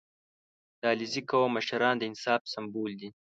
• د علیزي قوم مشران د انصاف سمبول دي.